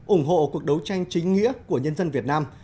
ủng hộ cuộc đấu tranh chính nghĩa của nhân dân việt nam